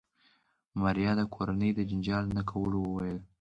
ماريا د کورنۍ د جنجال نه کولو وويل.